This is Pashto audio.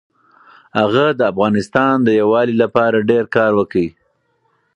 هغه د افغانستان د یووالي لپاره ډېر کار وکړ.